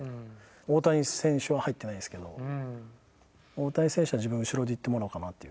大谷選手は入ってないんですけど大谷選手は自分後ろでいってもらおうかなっていう。